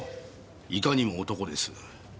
いかにも男です。